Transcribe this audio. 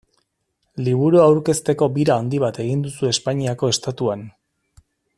Liburua aurkezteko bira handi bat egin duzu Espainiako Estatuan.